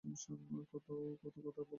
কতো কথা বলে?